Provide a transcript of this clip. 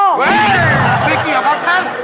เว้ยไม่เกี่ยวกับทั้ง